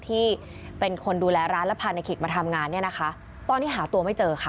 ที่เป็นคนดูแลร้านและพาในขิกมาทำงานเนี่ยนะคะตอนนี้หาตัวไม่เจอค่ะ